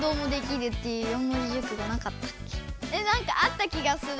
なんかあった気がする。